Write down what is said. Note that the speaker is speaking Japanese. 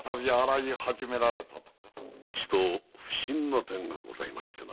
ちと不審な点がありましてな。